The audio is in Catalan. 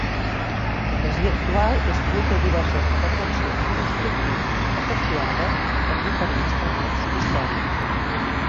La masia actual és fruit de diverses intervencions constructives, efectuades en diferents moments històrics.